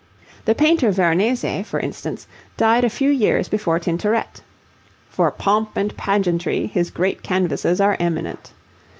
The painter Veronese, for instance, died a few years before Tintoret. For pomp and pageantry his great canvases are eminent.